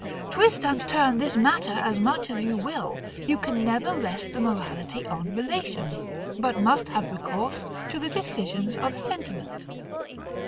Twist and turn this matter as much as you will, you can never rest the morality on relation; but must have recourse to the decisions of sentiment.